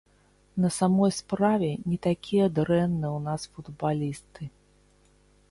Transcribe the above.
На самой справе, не такія дрэнныя ў нас футбалісты.